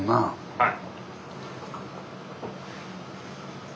はい。